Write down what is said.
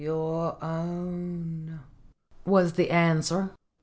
"Your own!" was the answer.